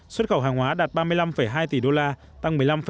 xuất khẩu hàng hóa đạt ba mươi năm hai tỷ đô la tăng một mươi năm